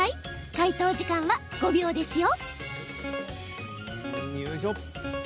解答時間は５秒ですよ。